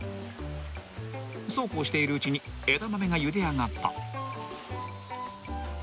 ［そうこうしているうちに枝豆がゆで上がった］